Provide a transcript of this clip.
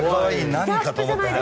何かと思ったら。